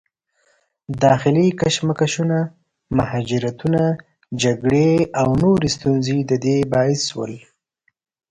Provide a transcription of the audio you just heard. داخلي کشمکشونه، مهاجرتونه، جګړې او نورې ستونزې د دې باعث شول